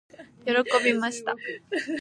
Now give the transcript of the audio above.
喜びました。